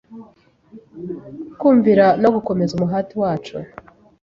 Kumvira no gukomeza umuhati wacu